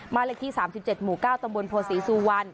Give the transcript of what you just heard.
เลขที่๓๗หมู่๙ตำบลโพศีสุวรรณ